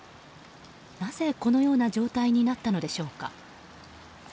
なぜ、このような状態になったのでしょうか。